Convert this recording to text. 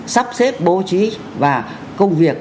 sắp xếp bố trí và công việc